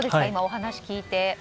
今、お話を聞いて。